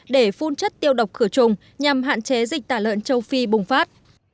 để phun chất tiêu độc khử trùng nhằm hạn chế dịch tả lợn châu phi bùng phát